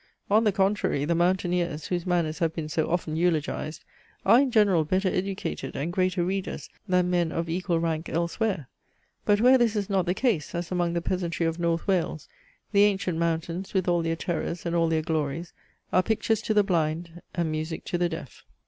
On the contrary the mountaineers, whose manners have been so often eulogized, are in general better educated and greater readers than men of equal rank elsewhere. But where this is not the case, as among the peasantry of North Wales, the ancient mountains, with all their terrors and all their glories, are pictures to the blind, and music to the deaf.